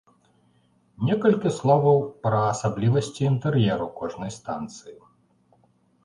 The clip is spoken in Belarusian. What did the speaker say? Некалькі словаў пра асаблівасці інтэр'еру кожнай станцыі.